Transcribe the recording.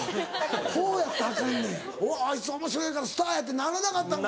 方やったらアカンねん「うわあいつおもしろいからスターや」ってならなかったんだ。